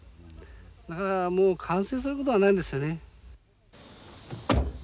だからもう完成することはないんですよね。